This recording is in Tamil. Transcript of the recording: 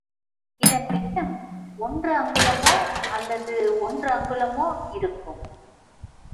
இதன் விட்டம் ஒன்று அங்குலமோ அல்லது ஒன்று அங்குலமோ இருக்கும்.